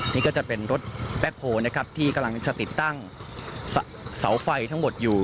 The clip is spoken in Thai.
นี่ก็จะเป็นรถแบ็คโฮลนะครับที่กำลังจะติดตั้งเสาไฟทั้งหมดอยู่